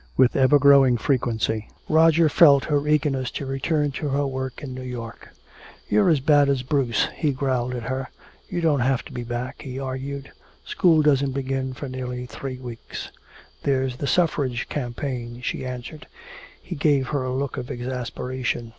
With ever growing frequency Roger felt her eagerness to return to her work in New York. "You're as bad as Bruce," he growled at her. "You don't have to be back," he argued. "School doesn't begin for nearly three weeks." "There's the suffrage campaign," she answered. He gave her a look of exasperation.